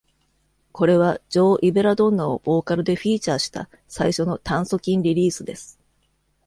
これは、ジョーイベラドンナをボーカルでフィーチャーした最初の炭疽菌リリースです。